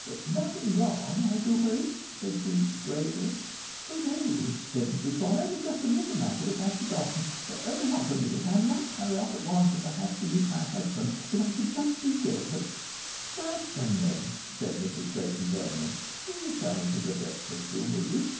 "Nothing wrong, I do hope!" said she, gravely. "Oh no," said Mrs Swann. "Only just a little matter which had been forgotten. Only half a minute. I must hurry off at once as I have to meet my husband. If I could just see Gilbert " "Certainly," said Mrs Clayton Vernon. "Do come into the breakfast room, will you?